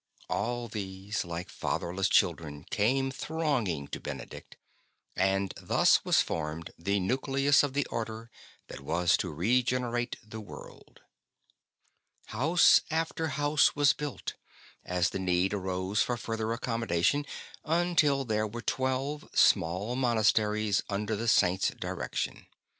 All these, like fatherless children, came thronging to Benedict, and thus was formed the nucleus of the Order that was to regenerate the world. 41 42 ST. BENEDICT House after house was built, as the need arose for further accommodation, until there were twelve small monasteries under the Saint's direction.